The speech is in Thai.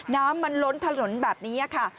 น้ำมันล้นถนนแบบนี้ค่ะ